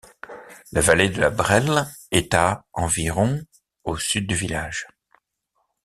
La vallée de la Bresle est à environ au sud du village.